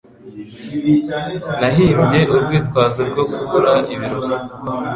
Nahimbye urwitwazo rwo kubura ibirori.